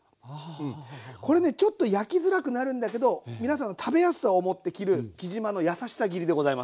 これねちょっと焼きづらくなるんだけど皆さんの食べやすさを思って切るきじまの優しさ切りでございます。